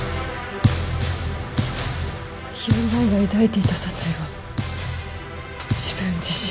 八尋舞が抱いていた殺意は自分自身。